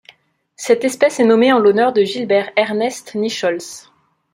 Cette espèce est nommée en l'honneur de Gilbert Ernest Nicholls.